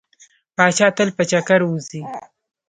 پاچا تل په چکر وځي.